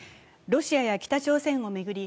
ロシアや北朝鮮を巡り